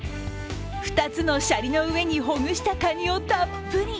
２つのシャリの上にほぐした、かにをたっぷり。